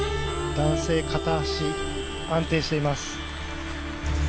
男性、片足安定しています。